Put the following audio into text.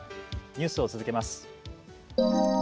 ニュースを続けます。